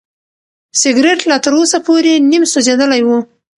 سګرټ لا تر اوسه پورې نیم سوځېدلی و.